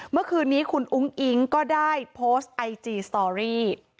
เมื่อคืนนี้คุณอุ้งอิ๊งก็ได้โพสต์ไอจีสตอรี่